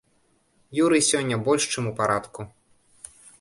Юрый сёння больш чым у парадку.